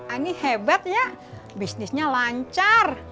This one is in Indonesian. ini hebat ya bisnisnya lancar